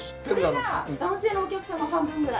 それが男性のお客様半分ぐらい。